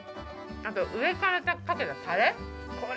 あと、上からかけたたれ